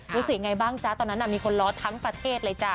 รู้สึกยังไงบ้างจ๊ะตอนนั้นมีคนล้อทั้งประเทศเลยจ้ะ